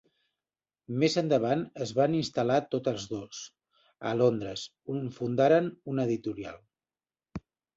Més endavant es van instal·lar tots dos a Londres on fundaren una editorial.